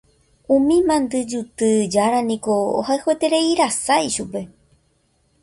Umi mandyjuty jára niko ohayhuetereirasa ichupe.